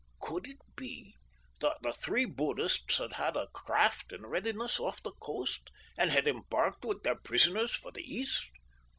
Could it be that the three Buddhists had had a craft in readiness off the coast, and had embarked with their prisoners for the East?